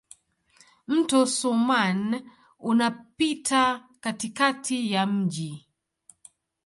Mto Soummam unapita katikati ya mji.